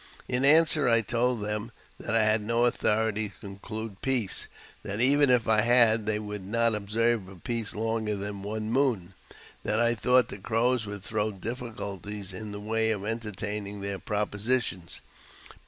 In answer, I told them that I had no authority to conclude peace ; that, even if I had, they would not observe a peace longer than one moon ; that I thought the Crows would throw diflSculties in the way of entertaining their propositions, but JAMES P. BECKWOUBTH.